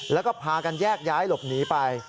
แล้วก็พากันแยกย้ายหลบหนีไป